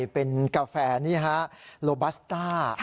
เป็นกาแฟนี่ฮะโลบัสต้า